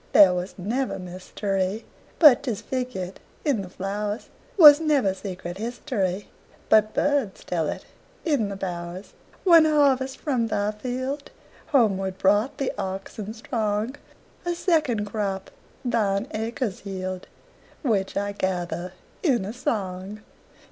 There was never mysteryBut 'tis figured in the flowers; SWas never secret historyBut birds tell it in the bowers. One harvest from thy fieldHomeward brought the oxen strong;A second crop thine acres yield, Which I gather in a song.